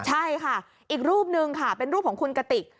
ใช่ค่ะอีกรูปหนึ่งค่ะเป็นรูปของคุณกติก